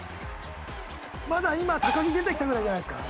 「まだ今高木出てきたぐらいじゃないですか？」